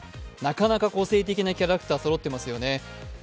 なかなか個性的なキャラクターそろっていますよね。